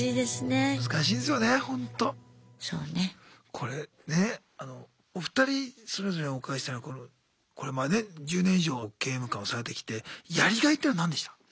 これねお二人それぞれお伺いしたいのがこれまで１０年以上刑務官をされてきてやりがいっていうの何でした？